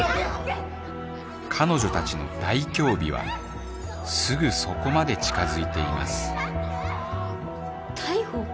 彼女たちの大凶日はすぐそこまで近づいています逮捕！？